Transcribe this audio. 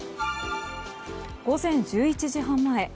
午前１１時半前。